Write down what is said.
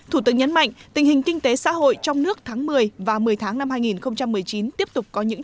thủ tướng nhấn mạnh tình hình kinh tế xã hội trong nước tháng một mươi và một mươi tháng năm hai nghìn một mươi chín tiếp tục có những